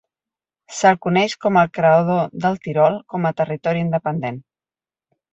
Se'l coneix com el creador del Tirol com a territori independent.